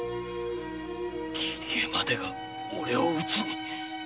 桐江までが俺を討ちに。